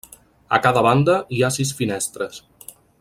A cada banda hi ha sis finestres.